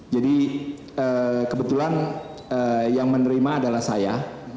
jadi kebetulan yang menerima adalah saya